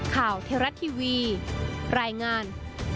ข่าวเทราะทีวีรายงาน